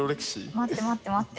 待って待って待って。